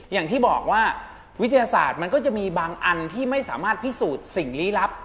อย่างที่บอกว่าวิทยาศาสตร์มันก็จะมีบางอันที่ไม่สามารถพิสูจน์สิ่งลี้ลับ